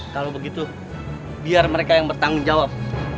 kalau begitu biar mereka yang bertanggung jawab